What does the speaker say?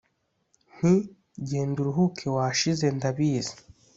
Nti: genda uruhuke washize ndabizi